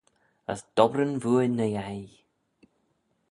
As dobberan vooar ny yei.